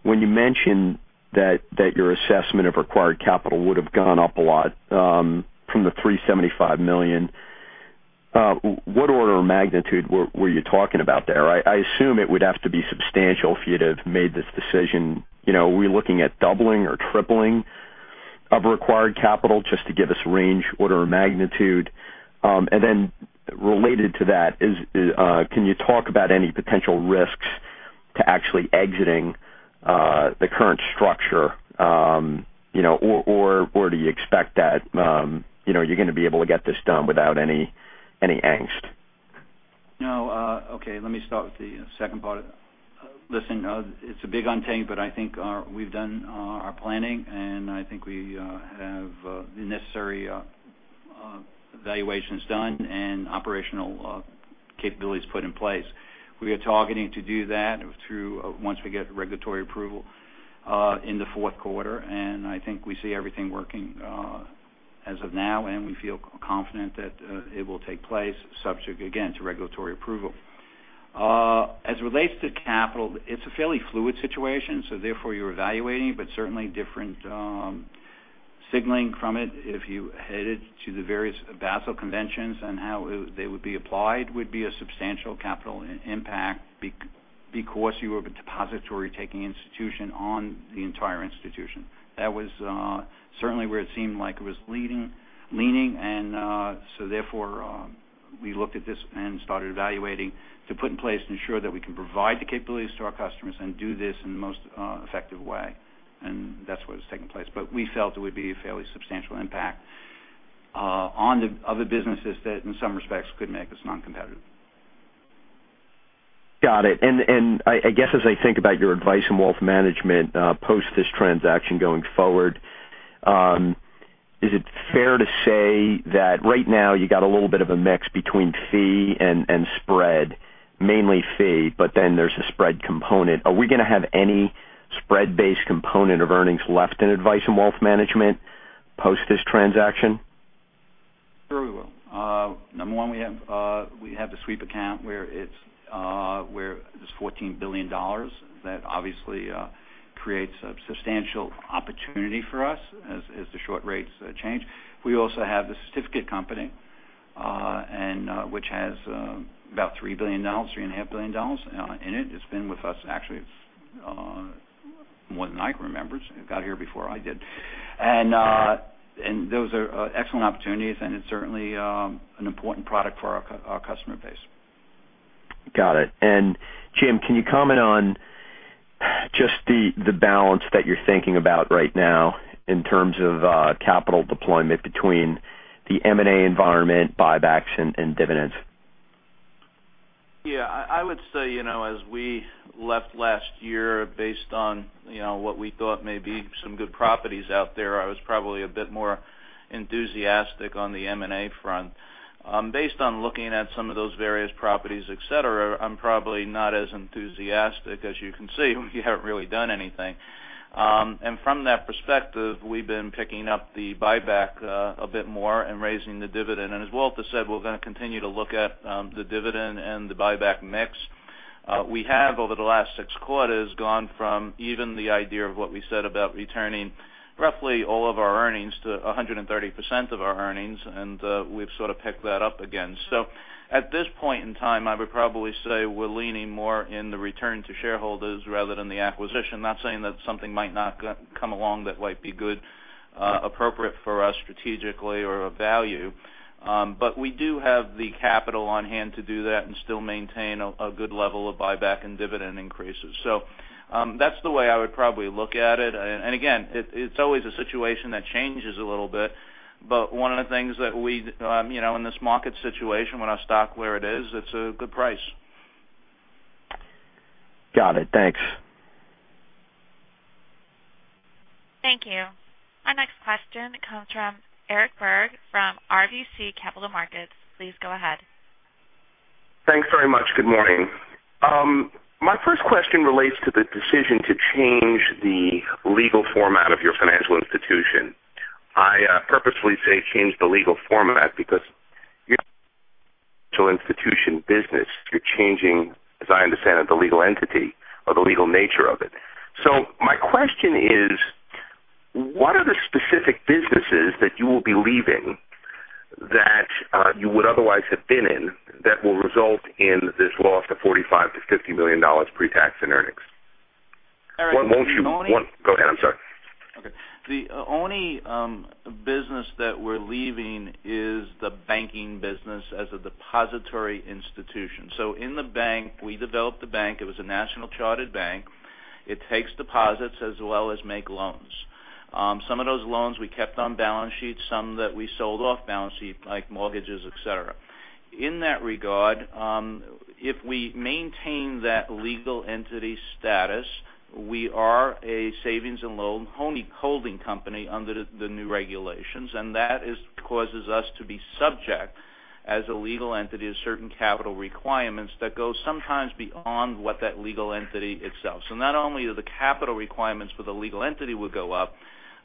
When you mentioned that your assessment of required capital would have gone up a lot from the $375 million, what order of magnitude were you talking about there? I assume it would have to be substantial for you to have made this decision. Are we looking at doubling or tripling of required capital? Just to give us range order of magnitude. Related to that is, do you expect that you're going to be able to get this done without any angst? No. Okay, let me start with the second part. Listen, it's a big untangling, but I think we've done our planning, and I think we have the necessary evaluations done and operational capabilities put in place. We are targeting to do that through once we get regulatory approval in the fourth quarter. I think we see everything working as of now, and we feel confident that it will take place subject, again, to regulatory approval. As it relates to capital, it's a fairly fluid situation. Therefore, you're evaluating, but certainly different signaling from it if you headed to the various Basel conventions and how they would be applied would be a substantial capital impact because you have a depository taking institution on the entire institution. Therefore, we looked at this and started evaluating to put in place to ensure that we can provide the capabilities to our customers and do this in the most effective way. That's what has taken place. We felt it would be a fairly substantial impact on the other businesses that in some respects could make us non-competitive. Got it. I guess as I think about your Advice & Wealth Management post this transaction going forward, is it fair to say that right now you got a little bit of a mix between fee and spread, mainly fee, but then there's a spread component. Are we going to have any spread-based component of earnings left in Advice & Wealth Management post this transaction? Sure we will. Number 1, we have the sweep account where it's $14 billion. That obviously creates a substantial opportunity for us as the short rates change. We also have the certificate company, which has about $3 billion, $3.5 billion in it. It's been with us actually more than I can remember. It got here before I did. Those are excellent opportunities, and it's certainly an important product for our customer base. Got it. Jim, can you comment on just the balance that you're thinking about right now in terms of capital deployment between the M&A environment, buybacks, and dividends? I would say as we left last year based on what we thought may be some good properties out there, I was probably a bit more enthusiastic on the M&A front. Based on looking at some of those various properties, et cetera, I am probably not as enthusiastic as you can see. We haven't really done anything. From that perspective, we've been picking up the buyback a bit more and raising the dividend. As Walter said, we're going to continue to look at the dividend and the buyback mix. We have over the last six quarters gone from even the idea of what we said about returning roughly all of our earnings to 130% of our earnings, we've sort of picked that up again. At this point in time, I would probably say we're leaning more in the return to shareholders rather than the acquisition. Not saying that something might not come along that might be good, appropriate for us strategically or of value. We do have the capital on hand to do that and still maintain a good level of buyback and dividend increases. That's the way I would probably look at it. Again, it's always a situation that changes a little bit. One of the things that we, in this market situation with our stock where it is, it's a good price. Got it. Thanks. Thank you. Our next question comes from Eric Berg from RBC Capital Markets. Please go ahead. Thanks very much. Good morning. My first question relates to the decision to change the legal format of your financial institution. I purposely say change the legal format because your institution business, you're changing, as I understand it, the legal entity or the legal nature of it. My question is, what are the specific businesses that you will be leaving that you would otherwise have been in that will result in this loss of $45 million-$50 million pre-tax in earnings? Eric, Go ahead. I'm sorry. Okay. The only business that we're leaving is the banking business as a depository institution. In the bank, we developed the bank. It was a national chartered bank. It takes deposits as well as make loans. Some of those loans we kept on balance sheet, some that we sold off balance sheet, like mortgages, et cetera. In that regard, if we maintain that legal entity status, we are a savings and loan holding company under the new regulations, and that causes us to be subject, as a legal entity, of certain capital requirements that go sometimes beyond what that legal entity itself. Not only do the capital requirements for the legal entity would go up,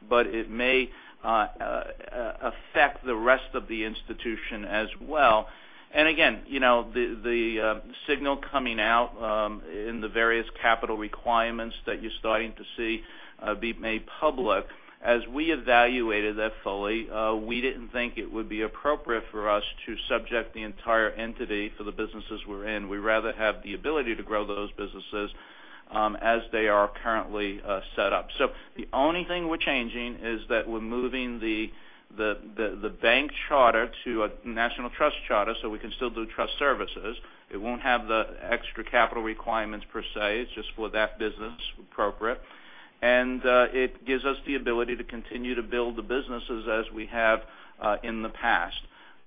but it may affect the rest of the institution as well. Again, the signal coming out in the various capital requirements that you're starting to see be made public, as we evaluated that fully, we didn't think it would be appropriate for us to subject the entire entity for the businesses we're in. We'd rather have the ability to grow those businesses as they are currently set up. The only thing we're changing is that we're moving the bank charter to a national trust charter so we can still do trust services. It won't have the extra capital requirements per se. It's just for that business appropriate. It gives us the ability to continue to build the businesses as we have in the past.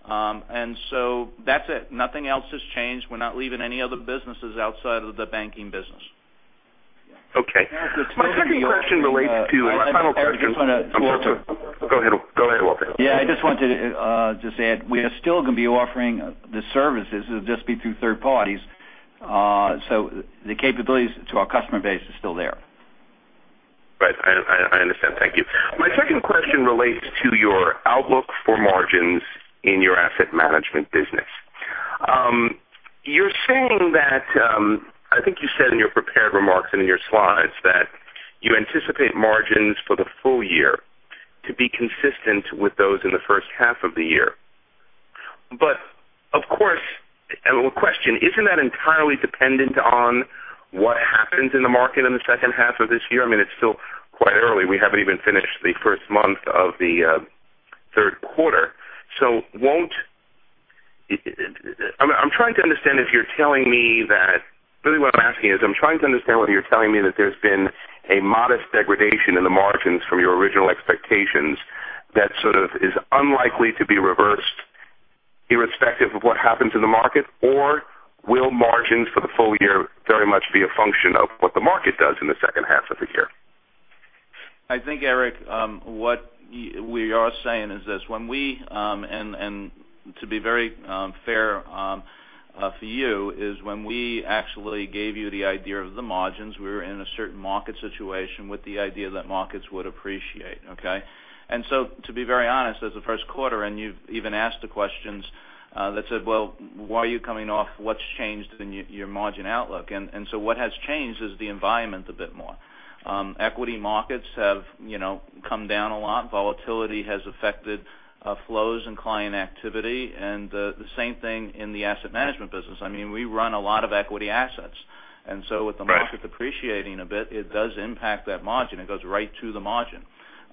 That's it. Nothing else has changed. We're not leaving any other businesses outside of the banking business. Okay. My second question relates to- I just want to- Go ahead, Walter. Yeah, I just wanted to say, we are still going to be offering the services. It'll just be through third parties. The capabilities to our customer base is still there. Right. I understand. Thank you. My second question relates to your outlook for margins in your asset management business. I think you said in your prepared remarks and in your slides that you anticipate margins for the full year to be consistent with those in the first half of the year. Isn't that entirely dependent on what happens in the market in the second half of this year? It's still quite early. We haven't even finished the first month of the third quarter. I'm trying to understand if you're telling me that, really what I'm asking is I'm trying to understand whether you're telling me that there's been a modest degradation in the margins from your original expectations that sort of is unlikely to be reversed irrespective of what happens in the market, or will margins for the full year very much be a function of what the market does in the second half of the year? I think, Eric, what we are saying is this, and to be very fair for you, is when we actually gave you the idea of the margins, we were in a certain market situation with the idea that markets would appreciate. Okay. To be very honest, as the first quarter, and you've even asked the questions that said, "Well, why are you coming off? What's changed in your margin outlook?" What has changed is the environment a bit more. Equity markets have come down a lot. Volatility has affected flows in client activity and the same thing in the asset management business. We run a lot of equity assets, and so with the market depreciating a bit, it does impact that margin. It goes right to the margin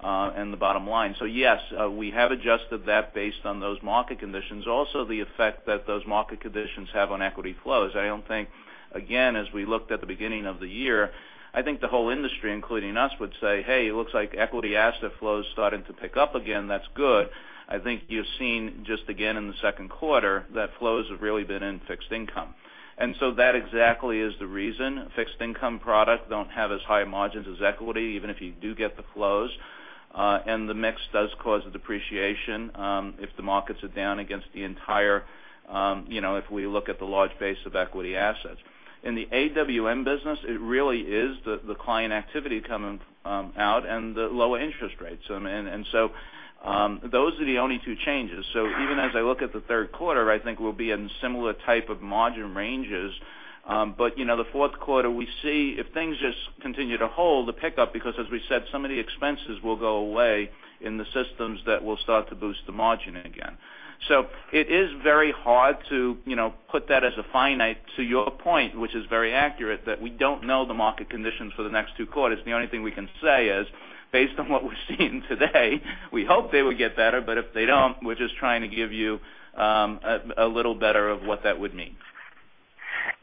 and the bottom line. Yes, we have adjusted that based on those market conditions. Also, the effect that those market conditions have on equity flows. I don't think, again, as we looked at the beginning of the year, I think the whole industry, including us, would say, "Hey, it looks like equity asset flow is starting to pick up again. That's good." I think you've seen just again in the second quarter that flows have really been in fixed income. That exactly is the reason. Fixed income product don't have as high margins as equity, even if you do get the flows. The mix does cause a depreciation if the markets are down against the entire, if we look at the large base of equity assets. In the AWM business, it really is the client activity coming out and the low interest rates. Those are the only two changes. Even as I look at the third quarter, I think we'll be in similar type of margin ranges. The fourth quarter, we see if things just continue to hold, the pickup, because as we said, some of the expenses will go away in the systems that will start to boost the margin again. It is very hard to put that as a finite to your point, which is very accurate, that we don't know the market conditions for the next two quarters. The only thing we can say is, based on what we're seeing today, we hope they will get better, but if they don't, we're just trying to give you a little better of what that would mean.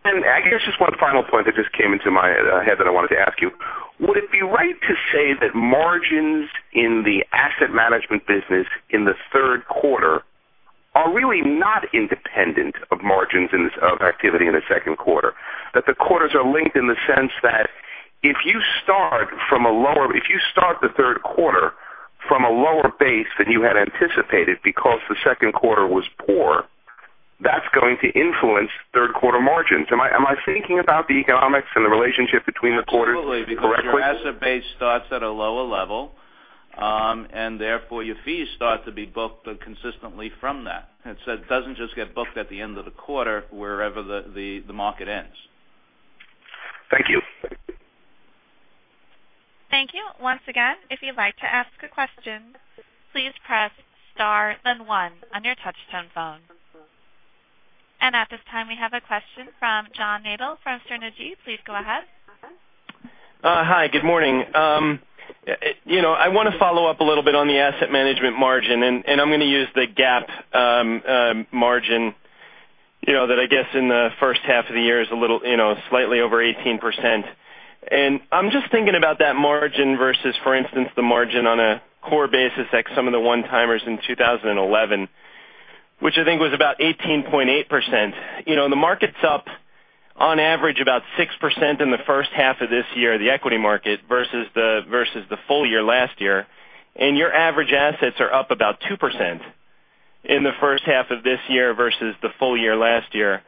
I guess just one final point that just came into my head that I wanted to ask you. Would it be right to say that margins in the asset management business in the third quarter are really not independent of margins of activity in the second quarter? The quarters are linked in the sense that if you start the third quarter from a lower base than you had anticipated because the second quarter was poor, that's going to influence third quarter margins. Am I thinking about the economics and the relationship between the quarters correctly? Absolutely. Your asset base starts at a lower level, and therefore your fees start to be booked consistently from that. It doesn't just get booked at the end of the quarter wherever the market ends. Thank you. Thank you. Once again, if you'd like to ask a question, please press star then one on your touch-tone phone. At this time, we have a question from John Nadel from Stifel. Please go ahead. Hi, good morning. I want to follow up a little bit on the asset management margin, and I'm going to use the GAAP margin that I guess in the first half of the year is a little slightly over 18%. I'm just thinking about that margin versus, for instance, the margin on a core basis, like some of the one-timers in 2011, which I think was about 18.8%. The market's up on average about 6% in the first half of this year, the equity market, versus the full year last year. Your average assets are up about 2% in the first half of this year versus the full year last year.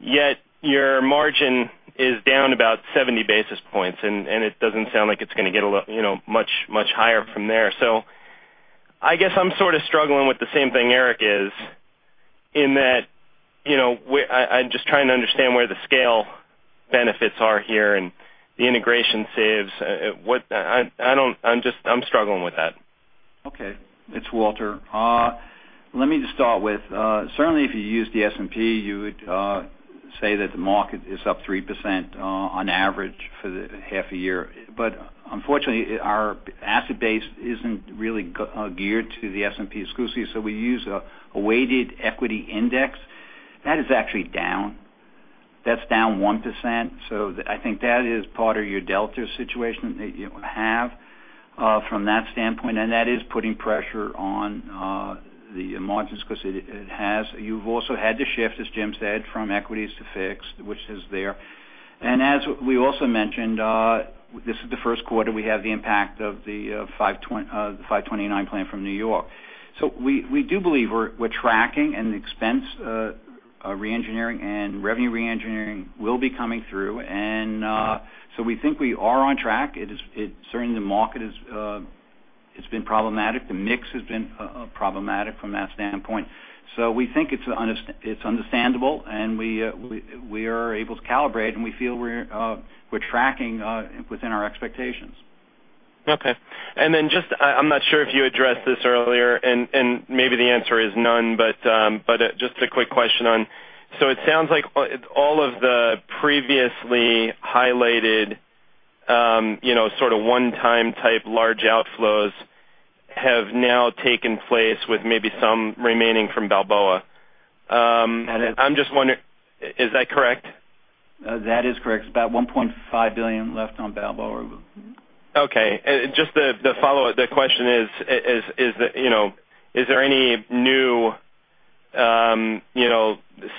Yet your margin is down about 70 basis points, and it doesn't sound like it's going to get much higher from there. I guess I'm sort of struggling with the same thing Eric is in that I'm just trying to understand where the scale benefits are here and the integration saves. I'm struggling with that. Okay. It's Walter. Let me just start with, certainly if you use the S&P, you would say that the market is up 3% on average for the half a year. But unfortunately, our asset base isn't really geared to the S&P exclusively, so we use a weighted equity index. That is actually down. That's down 1%. I think that is part of your delta situation that you have from that standpoint, and that is putting pressure on the margins because it has. You've also had to shift, as Jim said, from equities to fixed, which is there. As we also mentioned, this is the first quarter we have the impact of the 529 plan from New York. We do believe we're tracking, and the expense reengineering and revenue reengineering will be coming through. We think we are on track. Certainly the market has been problematic. The mix has been problematic from that standpoint. We think it's understandable, and we are able to calibrate, and we feel we're tracking within our expectations. Okay. Just, I'm not sure if you addressed this earlier, and maybe the answer is none, but just a quick question. It sounds like all of the previously highlighted sort of one-time type large outflows have now taken place with maybe some remaining from Balboa. I'm just wondering, is that correct? That is correct. It's about $1.5 billion left on Balboa. Okay. Just the follow-up, the question is there any new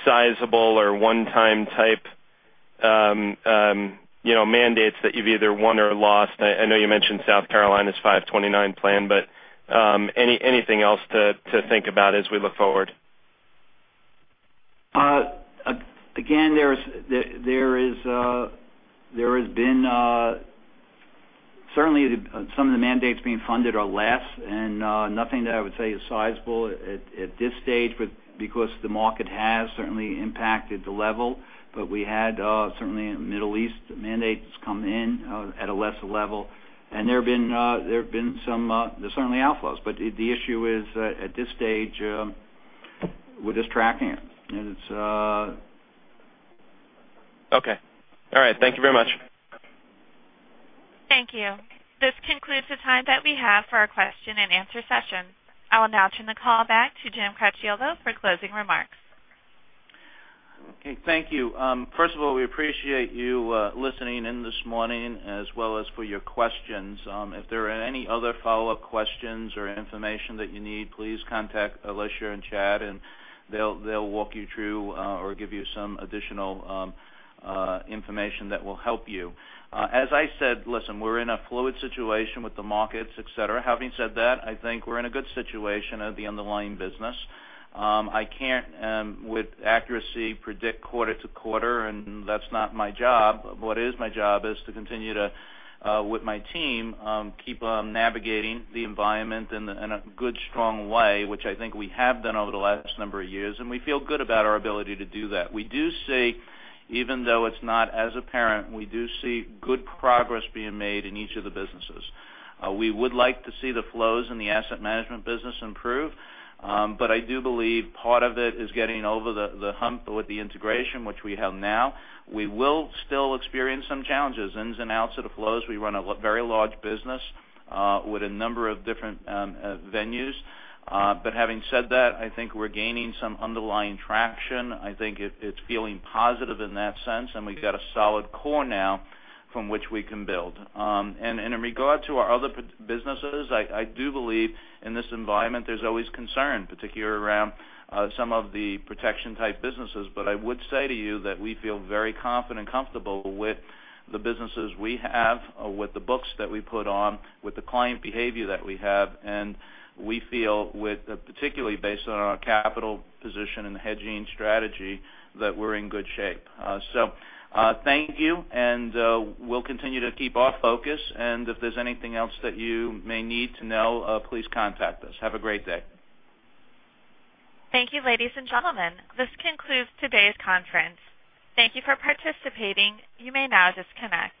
sizable or one-time type mandates that you've either won or lost? I know you mentioned South Carolina's 529 plan, but anything else to think about as we look forward? There has been certainly some of the mandates being funded are less, nothing that I would say is sizable at this stage because the market has certainly impacted the level. We had certainly Middle East mandates come in at a lesser level. There have been certainly outflows. The issue is, at this stage, we're just tracking it. Okay. All right. Thank you very much. Thank you. This concludes the time that we have for our question and answer session. I will now turn the call back to Jim Cracchiolo for closing remarks. Okay, thank you. First of all, we appreciate you listening in this morning as well as for your questions. If there are any other follow-up questions or information that you need, please contact Alicia and Chad, they'll walk you through or give you some additional information that will help you. As I said, listen, we're in a fluid situation with the markets, et cetera. Having said that, I think we're in a good situation of the underlying business. I can't with accuracy predict quarter to quarter, and that's not my job. What is my job is to continue to, with my team, keep on navigating the environment in a good, strong way, which I think we have done over the last number of years, and we feel good about our ability to do that. We do see, even though it's not as apparent, we do see good progress being made in each of the businesses. I do believe part of it is getting over the hump with the integration which we have now. We will still experience some challenges, ins and outs of the flows. We run a very large business with a number of different venues. Having said that, I think we're gaining some underlying traction. I think it's feeling positive in that sense, and we've got a solid core now from which we can build. In regard to our other businesses, I do believe in this environment, there's always concern, particularly around some of the protection-type businesses. I would say to you that we feel very confident and comfortable with the businesses we have, with the books that we put on, with the client behavior that we have, and we feel with, particularly based on our capital position and hedging strategy, that we're in good shape. Thank you, and we'll continue to keep our focus. If there's anything else that you may need to know, please contact us. Have a great day. Thank you, ladies and gentlemen. This concludes today's conference. Thank you for participating. You may now disconnect.